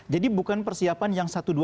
jadi bukan persiapan yang satu satunya